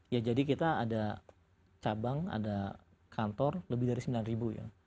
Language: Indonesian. ya jadi kita ada cabang ada kantor lebih dari sembilan ribu ya